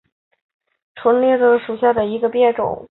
钝裂天胡荽为伞形科天胡荽属下的一个变种。